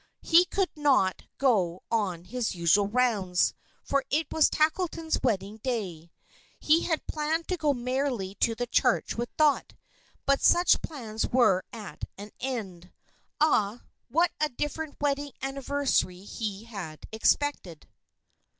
He could not go on his usual rounds, for it was Tackleton's wedding day. He had planned to go merrily to the church with Dot. But such plans were at an end. Ah! what a different wedding anniversary he had expected!